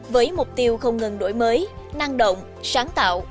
với mục tiêu không ngừng đổi mới năng động sáng tạo